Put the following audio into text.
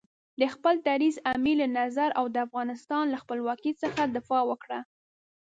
د خپل دریځ، امیر له نظر او د افغانستان له خپلواکۍ څخه دفاع وکړه.